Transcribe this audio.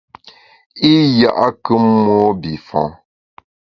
I ya’kù mobifon.